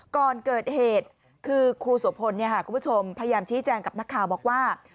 ก่อนเกิดเหตุคือครูโสพลคุณผู้ชมพยายามชี้แจงกับนักข่าวบอกว่า